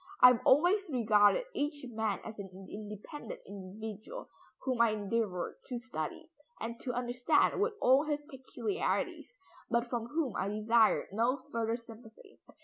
I have always regarded each man as an independent individual, whom I endeavored to study, and to understand with all his peculiarities, but from whom I desired no further sympathy.